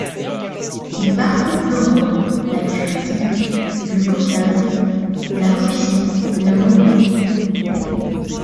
Il parcourt l'Europe, la Turquie, le Caucase, la Russie, la Mongolie...